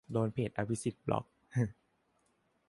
โดนเพจอภิสิทธิ์บล็อค หึ